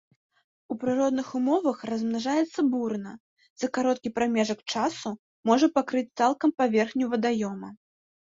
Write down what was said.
У прыродных умовах размнажаецца бурна, за кароткі прамежак часу можа пакрыць цалкам паверхню вадаёма.